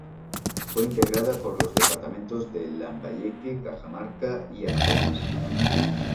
Fue integrada por los departamentos de Lambayeque, Cajamarca y Amazonas.